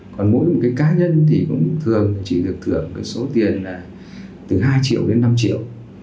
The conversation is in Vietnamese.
còn mỗi cá nhân thì cũng thường chỉ được thưởng số tiền từ hai triệu đến năm triệu